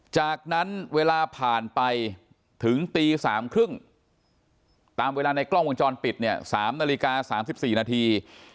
จากนั้นเวลาผ่านไปถึงตีสามครึ่งตามเวลาในกล้องวงจรปิดเนี่ยสามนาฬิกาสามสิบสี่นาที